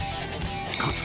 かつて］